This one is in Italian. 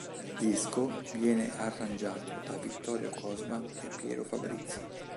Il disco viene arrangiato da Vittorio Cosma e Piero Fabrizi.